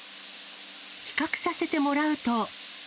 比較させてもらうと。